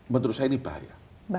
menurut saya ini bahaya